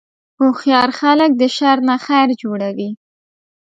هوښیار خلک د شر نه خیر جوړوي.